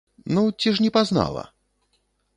Ну, ці ж не пазнала?